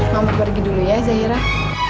mama pergi dulu ya zahirah